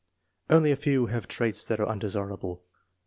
Only a few have traits that are undesirable.